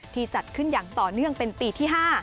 จัดขึ้นอย่างต่อเนื่องเป็นปีที่๕